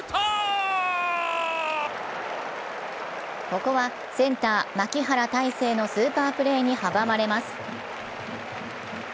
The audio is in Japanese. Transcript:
ここはセンター・牧原大成のスーパープレーに阻まれます。